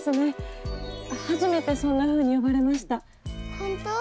・本当？